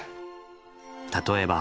例えば。